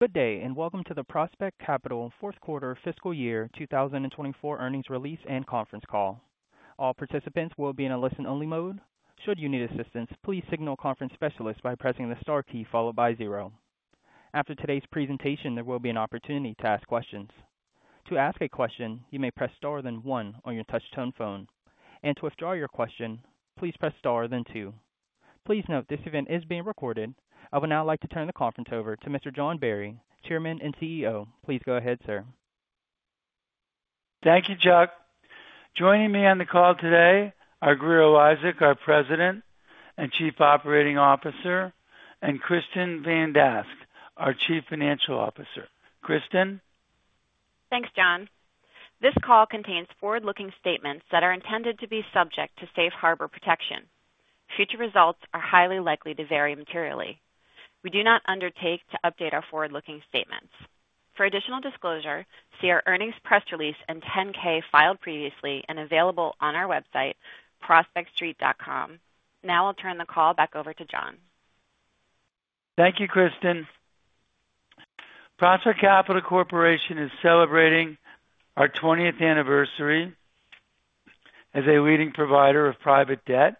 Good day, and welcome to the Prospect Capital fourth quarter fiscal year 2024 earnings release and conference call. All participants will be in a listen-only mode. Should you need assistance, please signal conference specialist by pressing the star key followed by zero. After today's presentation, there will be an opportunity to ask questions. To ask a question, you may press star then one on your touchtone phone, and to withdraw your question, please press star then two. Please note, this event is being recorded. I would now like to turn the conference over to Mr. John Barry, Chairman and CEO. Please go ahead, sir. Thank you, Chuck. Joining me on the call today are Grier Eliasek, our President and Chief Operating Officer, and Kristin Van Dask, our Chief Financial Officer. Kristin? Thanks, John. This call contains forward-looking statements that are intended to be subject to Safe Harbor protection. Future results are highly likely to vary materially. We do not undertake to update our forward-looking statements. For additional disclosure, see our earnings press release and 10-K filed previously and available on our website prospectstreet.com. Now I'll turn the call back over to John. Thank you, Kristin. Prospect Capital Corporation is celebrating our 20th anniversary as a leading provider of private debt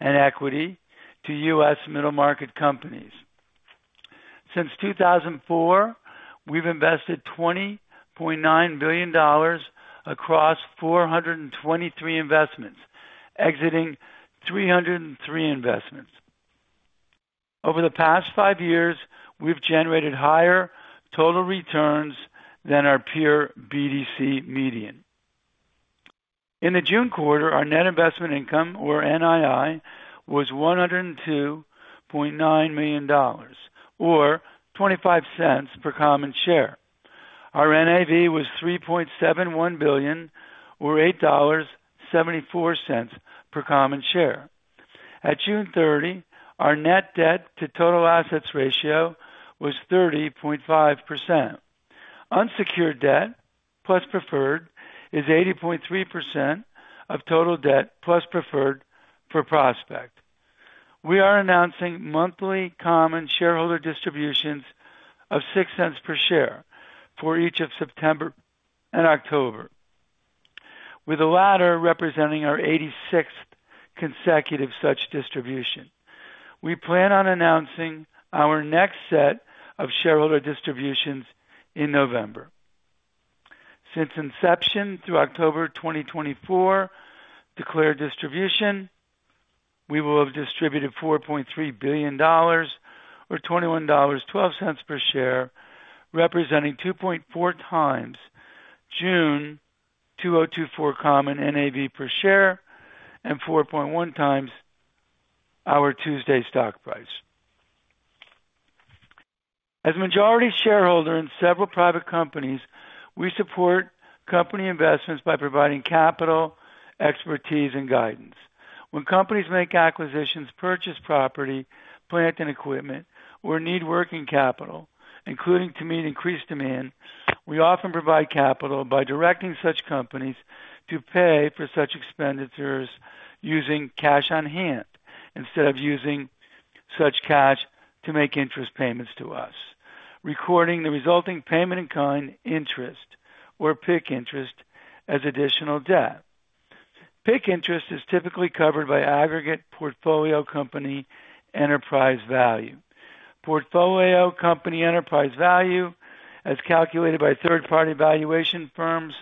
and equity to U.S. middle-market companies. Since 2004, we've invested $20.9 billion across 423 investments, exiting 303 investments. Over the past five years, we've generated higher total returns than our peer BDC median. In the June quarter, our net investment income, or NII, was $102.9 million, or $0.25 per common share. Our NAV was $3.71 billion, or $8.74 per common share. At June 30, our net debt-to-total assets ratio was 30.5%. Unsecured debt, plus preferred, is 80.3% of total debt, plus preferred for Prospect. We are announcing monthly common shareholder distributions of $0.06 per share for each of September and October, with the latter representing our 86th consecutive such distribution. We plan on announcing our next set of shareholder distributions in November. Since inception through October 2024 declared distribution, we will have distributed $4.3 billion, or $21.12 per share, representing 2.4 times June 2024 common NAV per share and 4.1 times our Tuesday stock price. As a majority shareholder in several private companies, we support company investments by providing capital, expertise, and guidance. When companies make acquisitions, purchase property, plant and equipment, or need working capital, including to meet increased demand, we often provide capital by directing such companies to pay for such expenditures using cash on hand, instead of using such cash to make interest payments to us, recording the resulting payment in kind interest or PIK interest as additional debt. PIK interest is typically covered by aggregate portfolio company enterprise value. Portfolio company enterprise value, as calculated by third-party valuation firms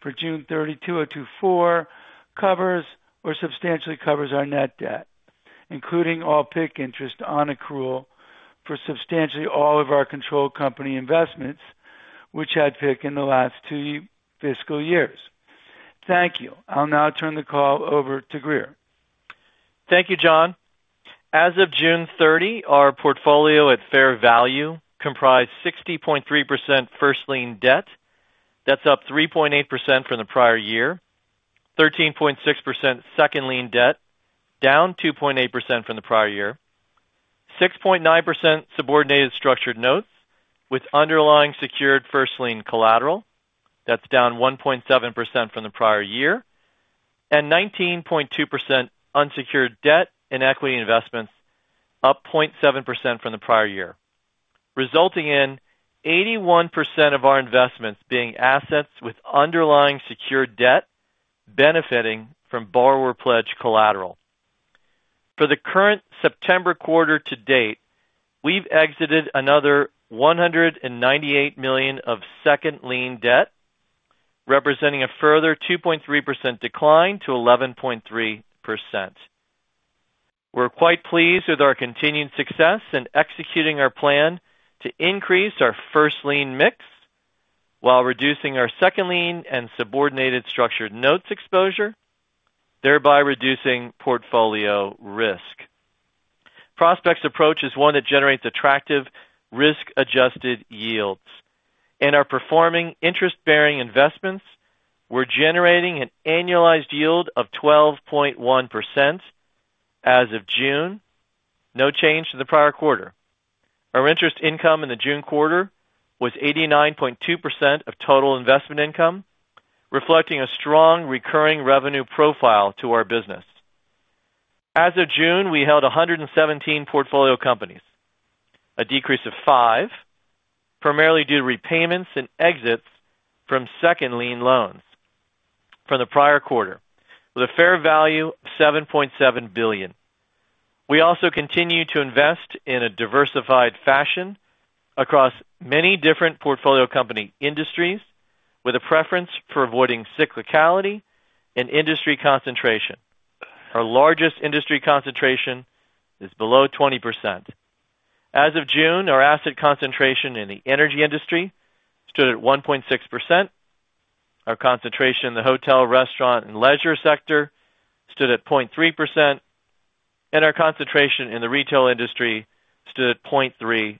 for June 30, 2024, covers or substantially covers our net debt, including all PIK interest on accrual for substantially all of our controlled company investments, which had PIK in the last two fiscal years. Thank you. I'll now turn the call over to Grier. Thank you, John. As of June 30, our portfolio at fair value comprised 60.3% first-lien debt. That's up 3.8% from the prior year. 13.6% second lien debt, down 2.8% from the prior year. 6.9% subordinated structured notes with underlying secured first-lien collateral. That's down 1.7% from the prior year, and 19.2% unsecured debt and equity investments, up 0.7% from the prior year, resulting in 81% of our investments being assets with underlying secured debt benefiting from borrower pledge collateral. For the current September quarter to date, we've exited another $198 million of second lien debt, representing a further 2.3% decline to 11.3%. We're quite pleased with our continued success in executing our plan to increase our first lien mix while reducing our second lien and subordinated structured notes exposure, thereby reducing portfolio risk. Prospect's approach is one that generates attractive risk-adjusted yields. In our performing interest-bearing investments, we're generating an annualized yield of 12.1%. As of June, no change to the prior quarter. Our interest income in the June quarter was 89.2% of total investment income, reflecting a strong recurring revenue profile to our business. As of June, we held 117 portfolio companies, a decrease of five, primarily due to repayments and exits from second lien loans from the prior quarter, with a fair value of $7.7 billion. We also continue to invest in a diversified fashion across many different portfolio company industries, with a preference for avoiding cyclicality and industry concentration. Our largest industry concentration is below 20%. As of June, our asset concentration in the energy industry stood at 1.6%. Our concentration in the hotel, restaurant, and leisure sector stood at 0.3%, and our concentration in the retail industry stood at 0.3%.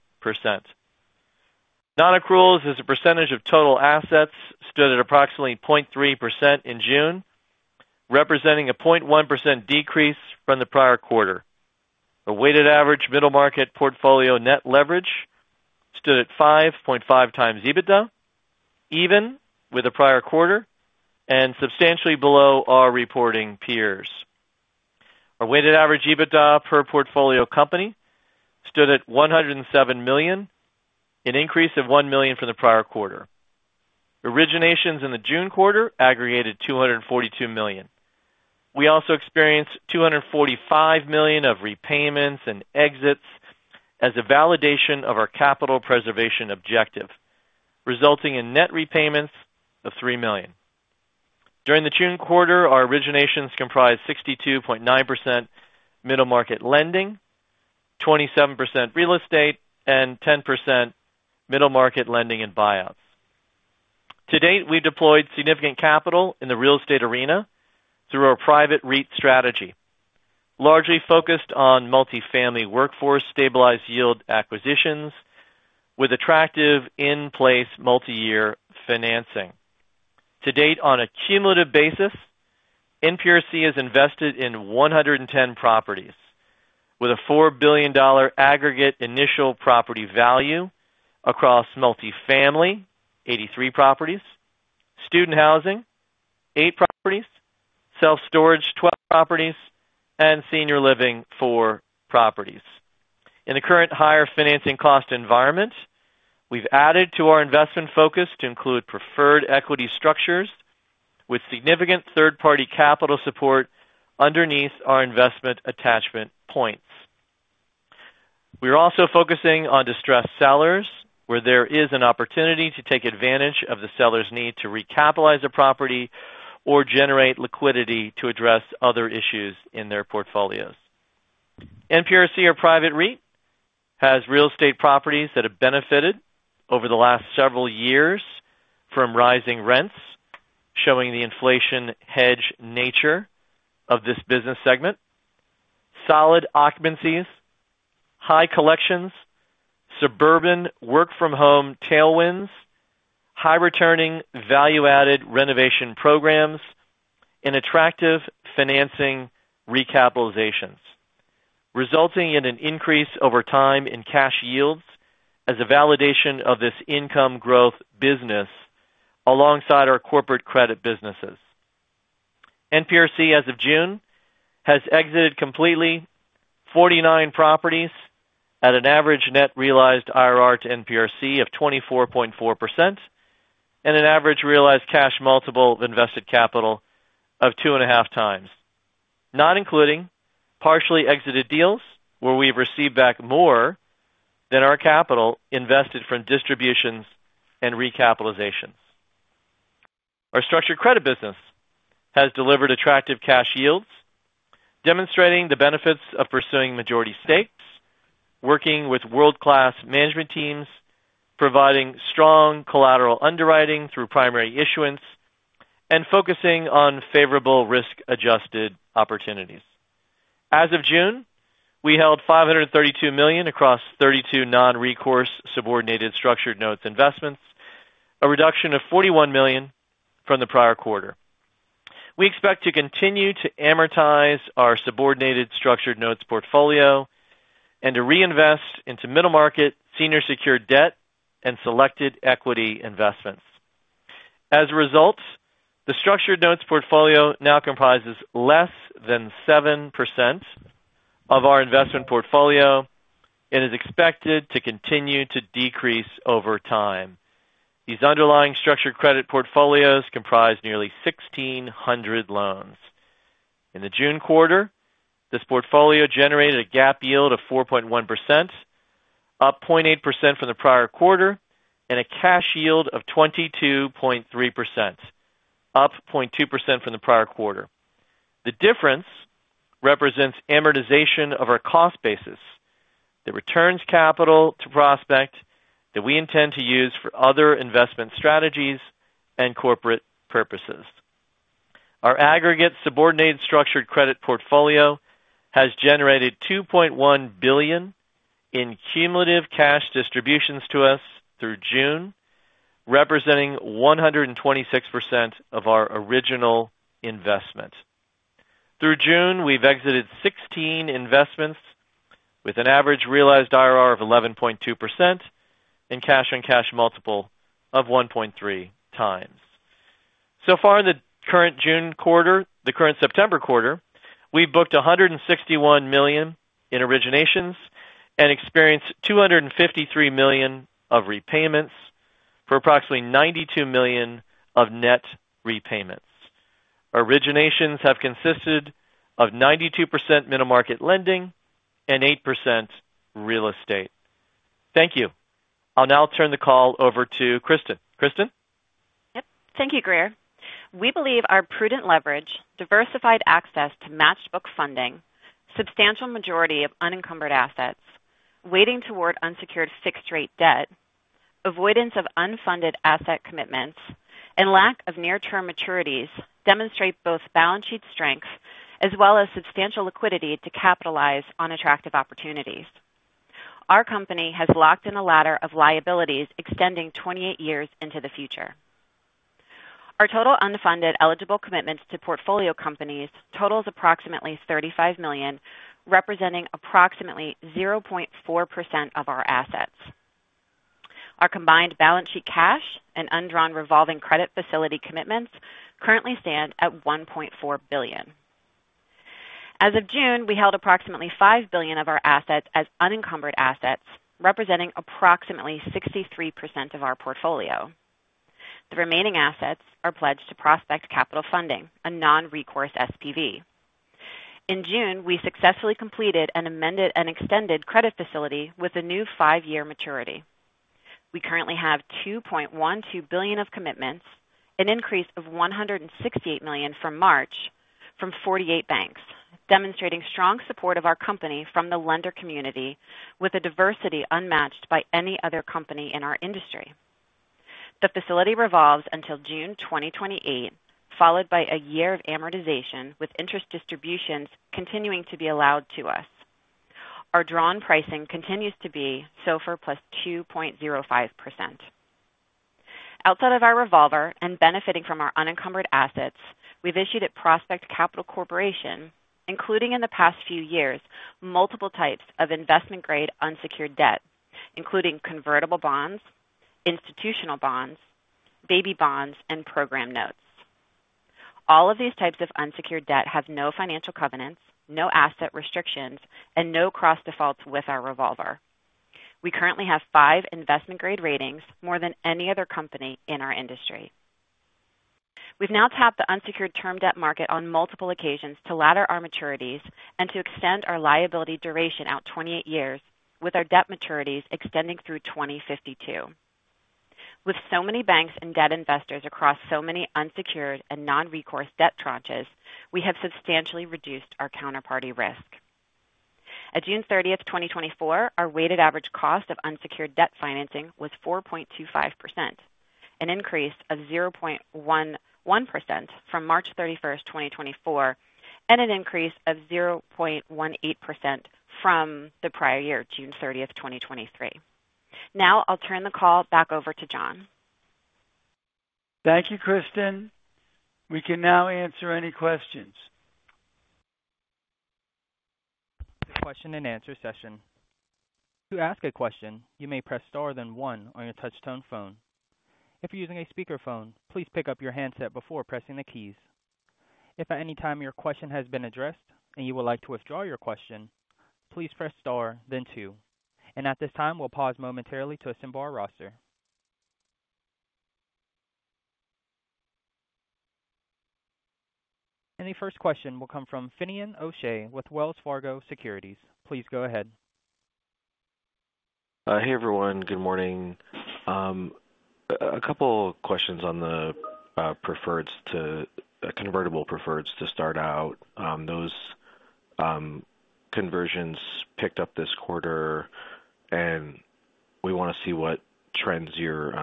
Non-accruals, as a percentage of total assets, stood at approximately 0.3% in June, representing a 0.1% decrease from the prior quarter. A weighted average middle market portfolio net leverage stood at 5.5x EBITDA, even with the prior quarter and substantially below our reporting peers. Our weighted average EBITDA per portfolio company stood at $107 million, an increase of $1 million from the prior quarter. Originations in the June quarter aggregated $242 million. We also experienced $245 million of repayments and exits as a validation of our capital preservation objective, resulting in net repayments of $3 million. During the June quarter, our originations comprised 62.9% middle market lending, 27% real estate, and 10% middle market lending and buyouts. To date, we deployed significant capital in the real estate arena through our private REIT strategy, largely focused on multifamily workforce stabilized yield acquisitions with attractive in-place multi-year financing. To date, on a cumulative basis, NPRC has invested in 110 properties with a $4 billion aggregate initial property value across multifamily, 83 properties, student housing, 8 properties, self-storage, 12 properties, and senior living, 4 properties. In the current higher financing cost environment, we've added to our investment focus to include preferred equity structures with significant third-party capital support underneath our investment attachment points. We are also focusing on distressed sellers, where there is an opportunity to take advantage of the seller's need to recapitalize a property or generate liquidity to address other issues in their portfolios. NPRC, our private REIT, has real estate properties that have benefited over the last several years from rising rents, showing the inflation hedge nature of this business segment, solid occupancies, high collections, suburban work-from-home tailwinds, high returning value-added renovation programs, and attractive financing recapitalizations, resulting in an increase over time in cash yields as a validation of this income growth business alongside our corporate credit businesses. NPRC, as of June, has exited completely 49 properties at an average net realized IRR to NPRC of 24.4% and an average realized cash multiple of invested capital of 2.5x. Not including partially exited deals where we've received back more than our capital invested from distributions and recapitalizations. Our structured credit business has delivered attractive cash yields, demonstrating the benefits of pursuing majority stakes, working with world-class management teams, providing strong collateral underwriting through primary issuance, and focusing on favorable risk-adjusted opportunities. As of June, we held $532 million across 32 non-recourse subordinated structured notes investments, a reduction of $41 million from the prior quarter. We expect to continue to amortize our subordinated structured notes portfolio and to reinvest into middle market senior secured debt and selected equity investments. As a result, the structured notes portfolio now comprises less than 7% of our investment portfolio and is expected to continue to decrease over time. These underlying structured credit portfolios comprise nearly 1,600 loans. In the June quarter, this portfolio generated a GAAP yield of 4.1%, up 0.8% from the prior quarter, and a cash yield of 22.3%, up 0.2% from the prior quarter. The difference represents amortization of our cost basis that returns capital to Prospect that we intend to use for other investment strategies and corporate purposes. Our aggregate subordinated structured credit portfolio has generated $2.1 billion in cumulative cash distributions to us through June, representing 126% of our original investment. Through June, we've exited 16 investments with an average realized IRR of 11.2% and cash on cash multiple of 1.3x. So far in the current June quarter, the current September quarter, we've booked $161 million in originations and experienced $253 million of repayments, for approximately $92 million of net repayments. Originations have consisted of 92% middle market lending and 8% real estate. Thank you. I'll now turn the call over to Kristin. Kristin? Yep. Thank you, Grier. We believe our prudent leverage, diversified access to matched book funding, substantial majority of unencumbered assets, weighting toward unsecured fixed-rate debt, avoidance of unfunded asset commitments, and lack of near-term maturities demonstrate both balance sheet strengths as well as substantial liquidity to capitalize on attractive opportunities. Our company has locked in a ladder of liabilities extending 28 years into the future. Our total unfunded eligible commitments to portfolio companies totals approximately $35 million, representing approximately 0.4% of our assets. Our combined balance sheet cash and undrawn revolving credit facility commitments currently stand at $1.4 billion. As of June, we held approximately $5 billion of our assets as unencumbered assets, representing approximately 63% of our portfolio. The remaining assets are pledged to Prospect Capital Funding, a non-recourse SPV. In June, we successfully completed and amended an extended credit facility with a new five-year maturity. We currently have $2.12 billion of commitments, an increase of $168 million from March, from 48 banks, demonstrating strong support of our company from the lender community with a diversity unmatched by any other company in our industry. The facility revolves until June 2028, followed by a year of amortization, with interest distributions continuing to be allowed to us. Our drawn pricing continues to be SOFR plus 2.05%. Outside of our revolver and benefiting from our unencumbered assets, we've issued at Prospect Capital Corporation, including in the past few years, multiple types of investment-grade unsecured debt, including convertible bonds, institutional bonds, baby bonds, and program notes. All of these types of unsecured debt have no financial covenants, no asset restrictions, and no cross defaults with our revolver. We currently have five investment grade ratings, more than any other company in our industry. We've now tapped the unsecured term debt market on multiple occasions to ladder our maturities and to extend our liability duration out 28 years, with our debt maturities extending through 2052. With so many banks and debt investors across so many unsecured and non-recourse debt tranches, we have substantially reduced our counterparty risk. At June 30, 2024, our weighted average cost of unsecured debt financing was 4.25%, an increase of 0.11% from March 31, 2024, and an increase of 0.18% from the prior year, June 30, 2023. Now I'll turn the call back over to John. Thank you, Kristin. We can now answer any questions. Question and answer session. To ask a question, you may press star then one on your touch-tone phone. If you're using a speakerphone, please pick up your handset before pressing the keys. If at any time your question has been addressed and you would like to withdraw your question, please press star then two. And at this time, we'll pause momentarily to assemble our roster. And the first question will come from Finian O'Shea with Wells Fargo Securities. Please go ahead. Hey, everyone. Good morning. A couple questions on the preferreds to convertible preferreds to start out. Those conversions picked up this quarter, and we want to see what trends you're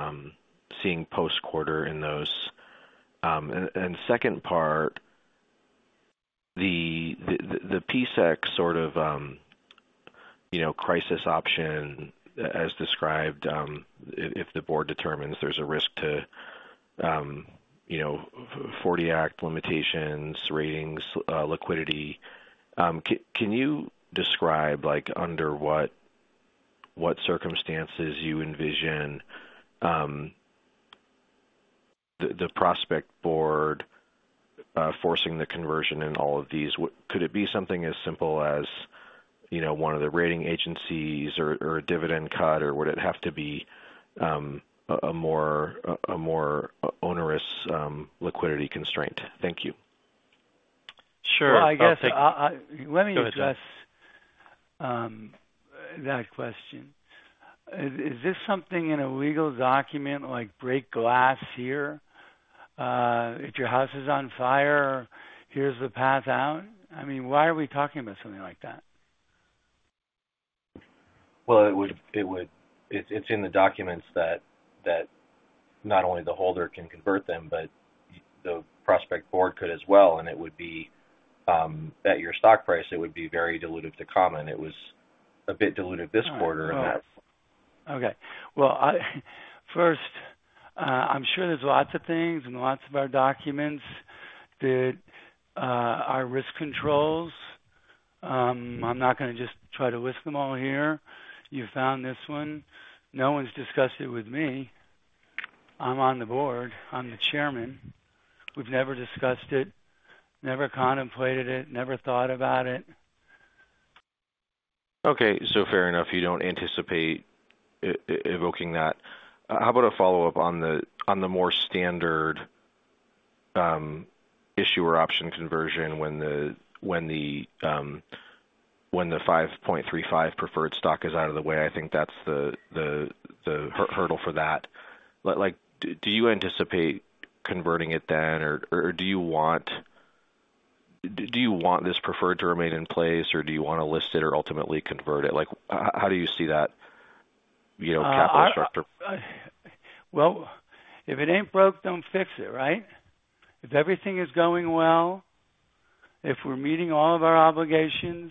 seeing post-quarter in those. Second part, the PSEC sort of, you know, crisis option as described, if the board determines there's a risk to, you know, 40 Act limitations, ratings, liquidity. Can you describe, like, under what circumstances you envision the Prospect Board forcing the conversion in all of these? Could it be something as simple as, you know, one of the rating agencies or a dividend cut, or would it have to be a more onerous liquidity constraint? Thank you. Sure. Well, I guess, I- Go ahead. Let me address that question. Is this something in a legal document, like break glass here? If your house is on fire, here's the path out. I mean, why are we talking about something like that? It would, it's in the documents that not only the holder can convert them, but the Prospect Board could as well, and it would be at your stock price, it would be very dilutive to common. It was a bit dilutive this quarter in that. Okay, well, I first, I'm sure there's lots of things in lots of our documents that. I'm not gonna just try to list them all here. You found this one. No one's discussed it with me. I'm on the board. I'm the chairman. We've never discussed it, never contemplated it, never thought about it. Okay, so fair enough. You don't anticipate invoking that. How about a follow-up on the more standard issuer option conversion when the 5.35 preferred stock is out of the way? I think that's the hurdle for that. But like, do you anticipate converting it then? Or do you want this preferred to remain in place, or do you want to list it or ultimately convert it? Like, how do you see that, you know, capital structure? Well, if it ain't broke, don't fix it, right? If everything is going well, if we're meeting all of our obligations,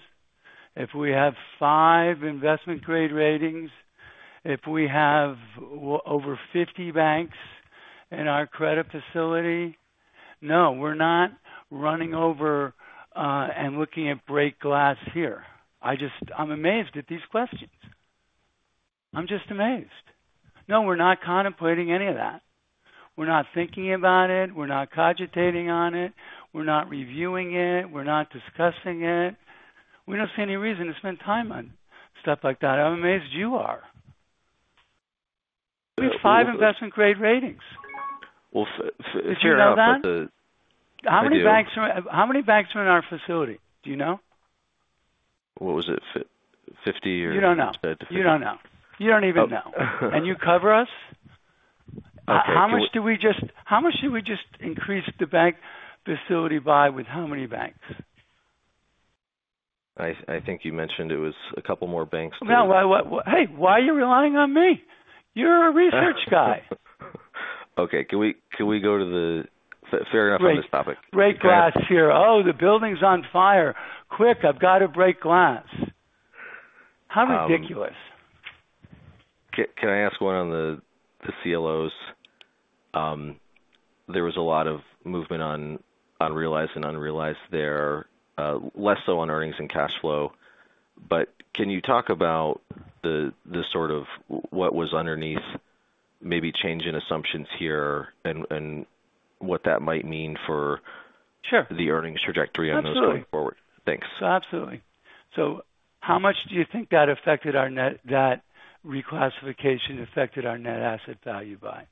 if we have five investment grade ratings, if we have over 50 banks in our credit facility, no, we're not running over and looking at break glass here. I just. I'm amazed at these questions. I'm just amazed. No, we're not contemplating any of that. We're not thinking about it. We're not cogitating on it. We're not reviewing it. We're not discussing it. We don't see any reason to spend time on stuff like that. I'm amazed you are. We have five investment grade ratings. Well, s- Did you know that? I do. How many banks, how many banks are in our facility? Do you know? What was it, 50 or- You don't know. You don't know. You don't even know. And you cover us? Okay. How much did we just increase the bank facility by, with how many banks? I think you mentioned it was a couple more banks. Hey, why are you relying on me? You're a research guy. Okay, can we go to the... Fair enough on this topic. Break glass here. Oh, the building's on fire! Quick, I've got to break glass. How ridiculous. Can I ask one on the CLOs? There was a lot of movement on realized and unrealized there, less so on earnings and cash flow. But can you talk about the sort of what was underneath, maybe change in assumptions here and what that might mean for- Sure. The earnings trajectory on those going forward? Absolutely. Thanks. Absolutely. So how much do you think that affected our net, that reclassification affected our net asset value by?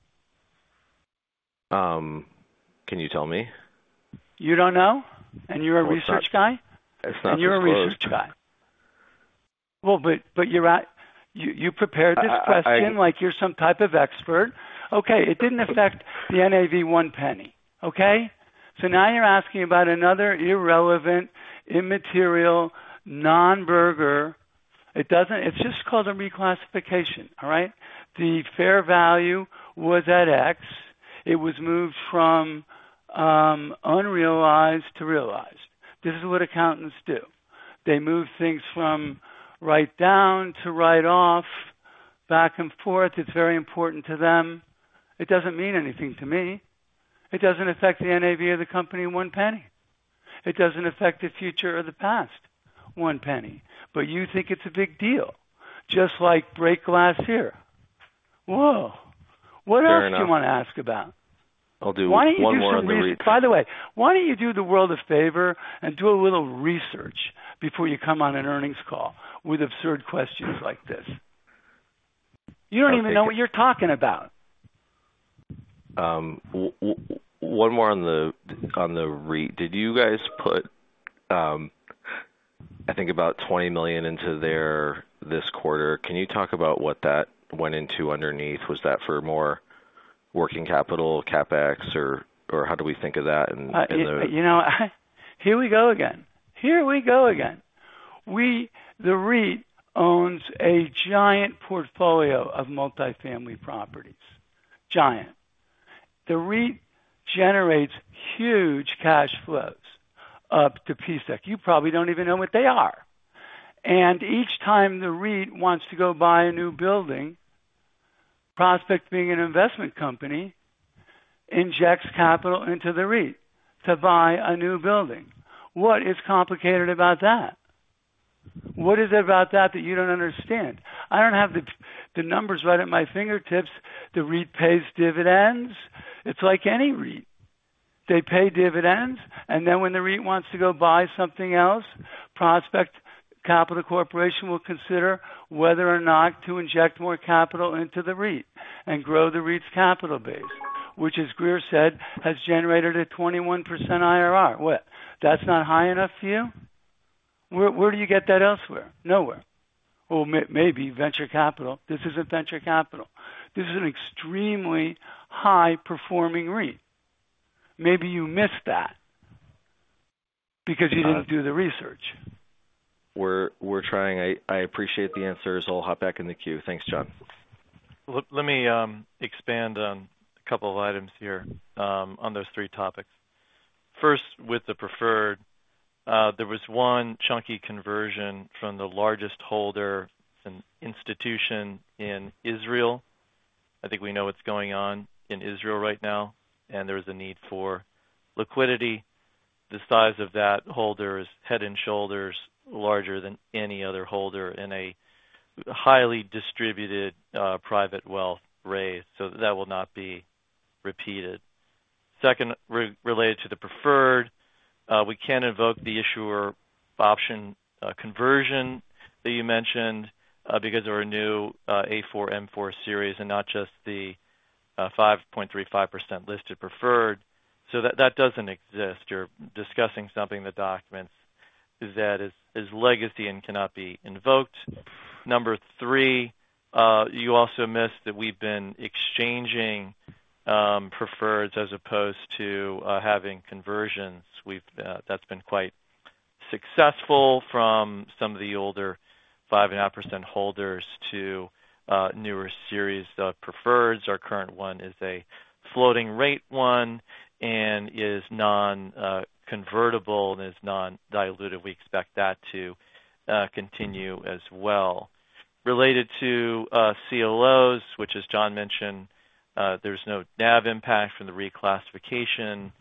Can you tell me? You don't know, and you're a research guy? It's not disclosed. And you're a research guy. Well, but you're a-- you prepared this question like you're some type of expert. Okay, it didn't affect the NAV one penny, okay? So now you're asking about another irrelevant, immaterial, non-issue. It doesn't. It's just called a reclassification, all right? The fair value was at X. It was moved from unrealized to realized. This is what accountants do. They move things from write down to write off, back and forth. It's very important to them. It doesn't mean anything to me. It doesn't affect the NAV of the company one penny. It doesn't affect the future or the past one penny. But you think it's a big deal, just like break glass here. Whoa! Fair enough. What else do you want to ask about? I'll do one more on the re- By the way, why don't you do the world a favor and do a little research before you come on an earnings call with absurd questions like this? You don't even know what you're talking about. One more on the REIT. Did you guys put, I think about $20 million into there this quarter. Can you talk about what that went into underneath? Was that for more working capital, CapEx, or how do we think of that in the- You know, here we go again. Here we go again! We, the REIT, owns a giant portfolio of multifamily properties. Giant. The REIT generates huge cash flows up to PSEC. You probably don't even know what they are. And each time the REIT wants to go buy a new building, Prospect, being an investment company, injects capital into the REIT to buy a new building. What is complicated about that? What is it about that that you don't understand? I don't have the numbers right at my fingertips. The REIT pays dividends. It's like any REIT. They pay dividends, and then when the REIT wants to go buy something else, Prospect Capital Corporation will consider whether or not to inject more capital into the REIT and grow the REIT's capital base, which, as Grier said, has generated a 21% IRR. What, that's not high enough for you? Where do you get that elsewhere? Nowhere. Maybe venture capital. This isn't venture capital. This is an extremely high-performing REIT. Maybe you missed that because you didn't do the research. We're trying. I appreciate the answers. I'll hop back in the queue. Thanks, John. Let me expand on a couple of items here on those three topics. First, with the preferred, there was one chunky conversion from the largest holder, an institution in Israel. I think we know what's going on in Israel right now, and there is a need for liquidity. The size of that holder is head and shoulders larger than any other holder in a highly distributed private wealth raise, so that will not be repeated. Second, related to the preferred, we can't invoke the issuer option conversion that you mentioned because there were new A4, M4 series and not just the 5.35% listed preferred. So that doesn't exist. You're discussing something in the documents that is legacy and cannot be invoked. Number three, you also missed that we've been exchanging preferreds as opposed to having conversions. That's been quite successful from some of the older 5.5% holders to newer series of preferreds. Our current one is a floating rate one and is non convertible and is non-dilutive. We expect that to continue as well. Related to CLOs, which, as John mentioned, there's no NAV impact from the reclassification.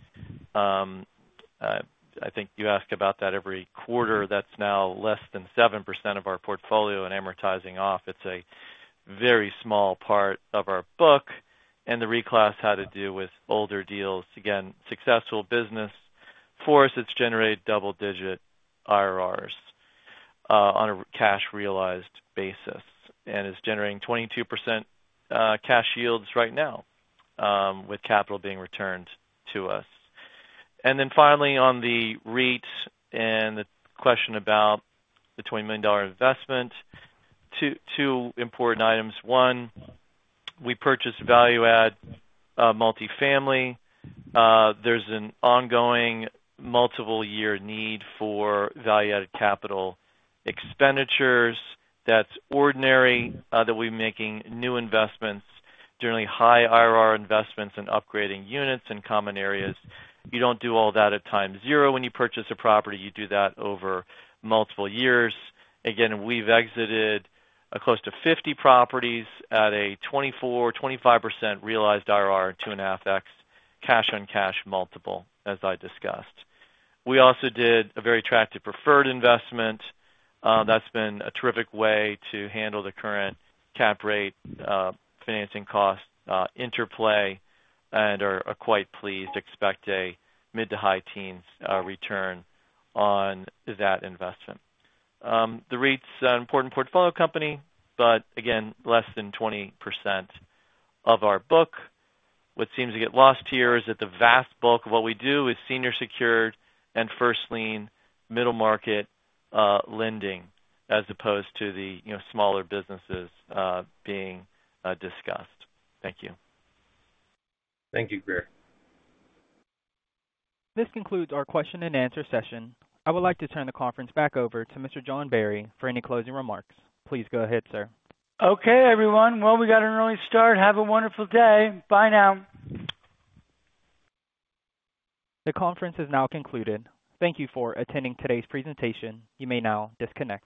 I think you ask about that every quarter. That's now less than 7% of our portfolio and amortizing off. It's a very small part of our book, and the reclass had to do with older deals. Again, successful business. For us, it's generated double-digit IRRs on a cash-realized basis and is generating 22% cash yields right now, with capital being returned to us, and then finally, on the REIT and the question about the $20 million investment. Two important items. One, we purchased value-add multifamily. There's an ongoing multiple-year need for value-added capital expenditures. That's ordinary that we're making new investments, generally high IRR investments in upgrading units and common areas. You don't do all that at time zero when you purchase a property. You do that over multiple years. Again, we've exited close to 50 properties at a 24%-25% realized IRR, 2.5x cash-on-cash multiple, as I discussed. We also did a very attractive preferred investment. That's been a terrific way to handle the current cap rate, financing cost, interplay, and are quite pleased. Expect a mid to high teens return on that investment. The REIT's an important portfolio company, but again, less than 20% of our book. What seems to get lost here is that the vast bulk of what we do is senior secured and first lien middle market lending, as opposed to the, you know, smaller businesses being discussed. Thank you. Thank you, Grier. This concludes our question-and-answer session. I would like to turn the conference back over to Mr. John Barry for any closing remarks. Please go ahead, sir. Okay, everyone. Well, we got an early start. Have a wonderful day. Bye now. The conference is now concluded. Thank you for attending today's presentation. You may now disconnect.